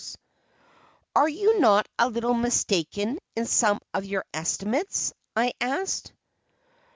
"Are you not a little mistaken in some of your estimates?" I asked.